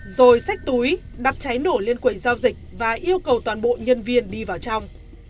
rồi sách túi đặt cháy nổ lên quầy giao dịch và yêu cầu toàn bộ nhân viên đi vào trong